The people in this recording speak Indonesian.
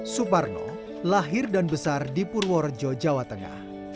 suparno lahir dan besar di purworejo jawa tengah